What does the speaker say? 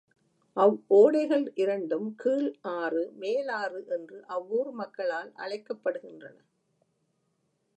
அவ்வோடைகள் இரண்டும் கீழ் ஆறு, மேல் ஆறு என்று அவ்வூர் மக்களால் அழைக்கப்படுகின்றன.